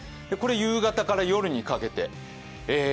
夕方から夜にかけて。